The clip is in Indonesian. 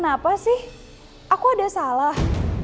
oh siapa itu tuh miilankan